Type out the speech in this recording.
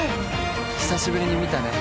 久しぶりに見たね。